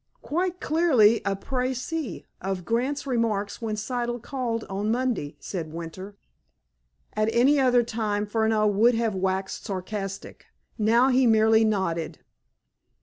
"Quite clearly a précis of Grant's remarks when Siddle called on Monday," said Winter. At any other time, Furneaux would have waxed sarcastic. Now he merely nodded.